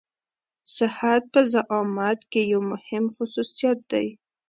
صحت په زعامت کې يو مهم خصوصيت دی.